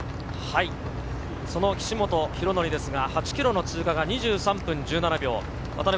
岸本大紀ですが、８ｋｍの通過が２３分１７秒。